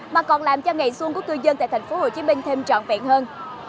mà còn làm cho ngày xuân của cư dân tại tp hcm thêm trọn vẹn hơn